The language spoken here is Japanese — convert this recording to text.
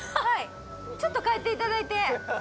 ちょっと変えていただいて。